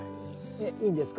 えっいいんですか？